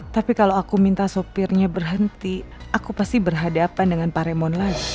tapi kalau aku minta sopirnya berhenti aku pasti berhadapan dengan paremon lagi